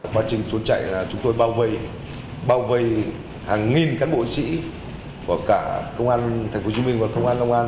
quá trình trốn chạy là chúng tôi bao vây hàng nghìn cán bộ sĩ của cả công an tp hcm và công an lông an